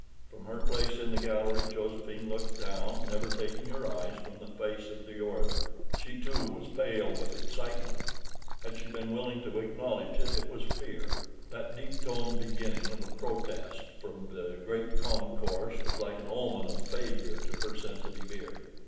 From her place in the gallery Josephine looked down, never taking her eyes from the face of the orator. She too was pale with excitement; had she been willing to acknowledge it, it was fear. That deep toned beginning of a protest from the great concourse was like an omen of failure to her sensitive ear.